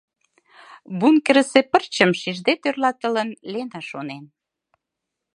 — бункерысе пырчым шижде тӧрлатылын, Лена шонен.